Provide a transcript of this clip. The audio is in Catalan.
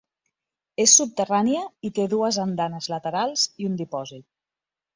És subterrània i té dues andanes laterals i un dipòsit.